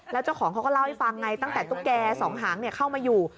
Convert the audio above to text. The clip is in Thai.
แล้วเจ้าของเขาก็เล่าให้ฟังไงตั้งแต่ตุ๊กแก่สองหางเข้ามาอยู่